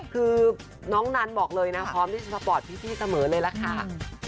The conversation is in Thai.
คือน้องนันบอกเลยนะพร้อมที่จะสปอร์ตพี่เสมอเลยล่ะค่ะ